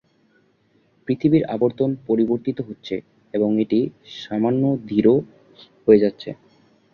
পৃথিবীর আবর্তন পরিবর্তিত হচ্ছে এবং এটি সামান্য ধীর হয়ে যাচ্ছে।